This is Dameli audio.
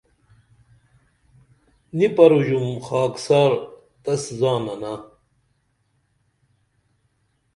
نی پروژوم خاکسار تس زاننہ